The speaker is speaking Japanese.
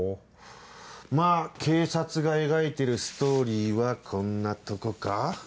まぁ警察が描いてるストーリーはこんなとこか？